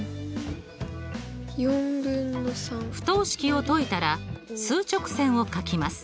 不等式を解いたら数直線を書きます。